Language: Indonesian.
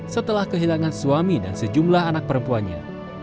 setelah kehilangan suami dan sejumlah anak perempuannya